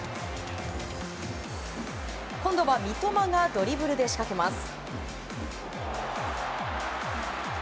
今度は、三笘がドリブルで仕掛けます。